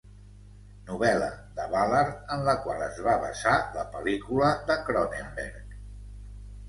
Novel·la de Ballard en la qual es va basar la pel·lícula de Cronenberg.